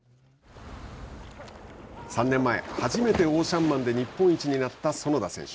３年前、初めてオーシャンマンで日本一になった園田選手。